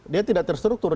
dia tidak terstruktur